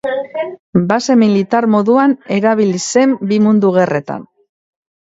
Base militar moduan erabili zen bi mundu gerretan.